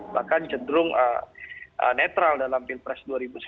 bahkan cenderung netral dalam pilpres dua ribu sembilan belas